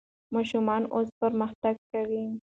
ماشومان اوس پرمختګ کوي.